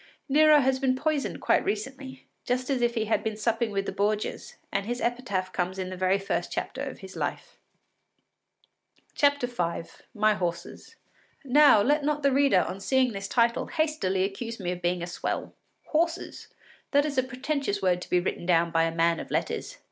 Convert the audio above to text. Nero has been poisoned quite recently, just as if he had been supping with the Borgias, and his epitaph comes in the very first chapter of his life.) V MY HORSES Now let not the reader, on seeing this title, hastily accuse me of being a swell. Horses! That is a pretentious word to be written down by a man of letters!